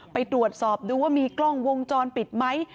ไปตรวจสอบดูว่ามีกล้องวงจรปิดไหม